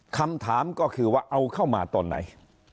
คำถามก็คือว่าเอาเข้ามาตอนไหน